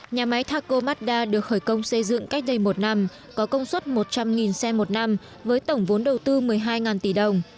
nhà máy taco mazda được khởi công xây dựng cách đây một năm có công suất một trăm linh xe một năm với tổng vốn đầu tư một mươi hai tỷ đồng